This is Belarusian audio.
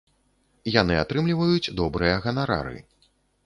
Яны атрымліваюць добрыя ганарары.